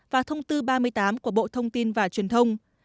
và thông tư ba mươi tám của bộ thông tin và truyền thông